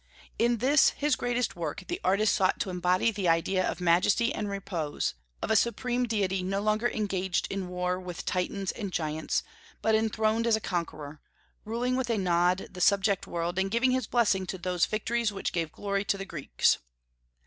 In this his greatest work the artist sought to embody the idea of majesty and repose, of a supreme deity no longer engaged in war with Titans and Giants, but enthroned as a conqueror, ruling with a nod the subject world, and giving his blessing to those victories which gave glory to the Greeks.